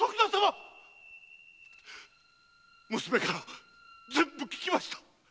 娘から全部聞きました。